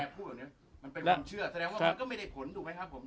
พูดแบบนี้มันเป็นความเชื่อแสดงว่ามันก็ไม่ได้ผลถูกไหมครับผม